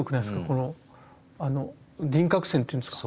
この輪郭線っていうんですか。